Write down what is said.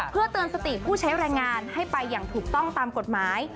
เพื่อเตือนสติผู้ใช้แรงงานให้ไปอย่างถูกต้องตามกฎหมาย